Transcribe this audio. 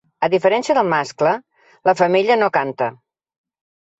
A diferència del mascle, la femella no canta.